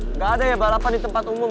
nggak ada ya balapan di tempat umum